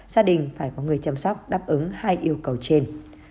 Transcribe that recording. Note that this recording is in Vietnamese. gia đình phải có người chăm sóc đáp ứng hai yêu cầu trên